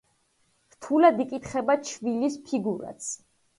რთულად იკითხება ჩვილის ფიგურაც.